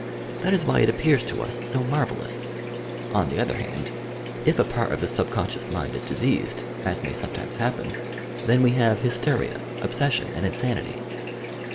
That is why it appears to us so marvellous. On the other band, if a part of the subconscious mind is diseased, as may some times happen, then we have hysteria, obsession and insanity.